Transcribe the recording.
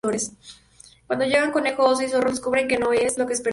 Cuando llegan, Conejo, Oso y Zorro descubren que no es lo que esperaban.